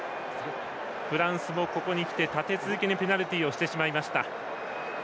フランスもここに来て立て続けにペナルティーをしてしまいました。